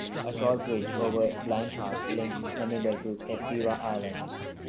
A short bridge over Blind Pass links Sanibel to Captiva Island.